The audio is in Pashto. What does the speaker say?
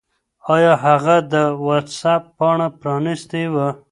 آیا هغه د وټس-اپ پاڼه پرانستې وه؟